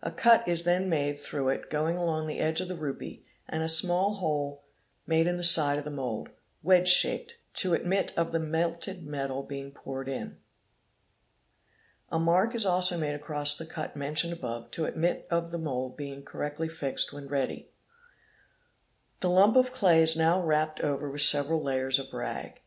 A cut is then made through it going along the edge of the rupee and a small hole made in the : side of the mould, wedge shaped, to admit of the melted metal being poured in. A mark is also made across the cut mentioned above to admit of the mould being correctly fixed when ready. The lump of clay is now ;_ wrapped over with several layers of rag.